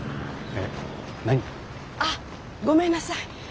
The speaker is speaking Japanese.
えっ何？あっごめんなさい。